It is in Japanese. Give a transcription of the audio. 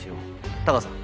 タカさん。